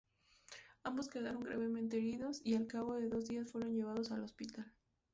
Ambos quedaron gravemente heridos y al cabo de dos días fueron llevados al hospital.